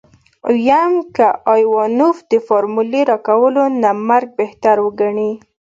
ويم که ايوانوف د فارمولې راکولو نه مرګ بهتر وګڼي.